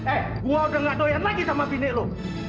eh gue udah gak doyan lagi sama bini lo